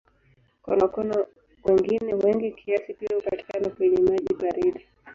Konokono wengine wengi kiasi pia hupatikana kwenye maji baridi.